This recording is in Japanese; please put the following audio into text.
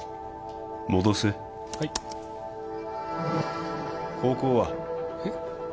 戻せはい高校は？えっ？